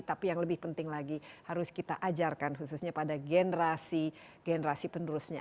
tapi yang lebih penting lagi harus kita ajarkan khususnya pada generasi generasi penerusnya